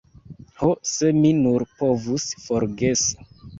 Ho, se mi nur povus forgesi.